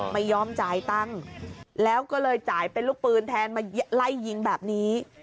ไม่ยอมจ่ายตังค์แล้วก็เลยจ่ายเป็นลูกปืนแทนมาไล่ยิงแบบนี้